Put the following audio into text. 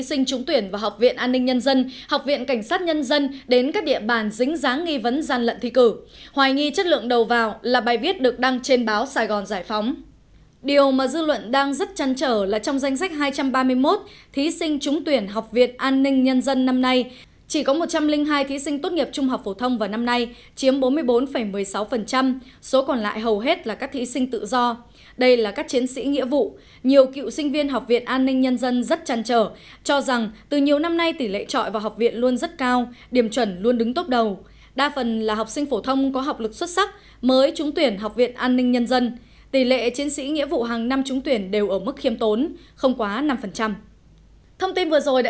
xin kính chào và hẹn gặp lại